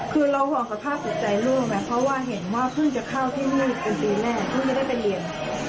คือเราห่วงกับความสุขใจร่วมไหมเพราะว่าเห็นว่าเพิ่งจะเข้าที่นี่กันดีแน่เพิ่งจะได้ไปเรียน